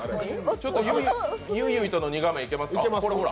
ちょっと、ゆいゆいとの２画面いけますか？